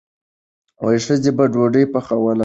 ښځې به ډوډۍ پخوله.